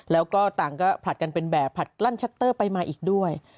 แล้วก็ต่างก็ผลัดกันเป็นแบบผลัดลั่นชัตเตอร์ไปมาอีกด้วย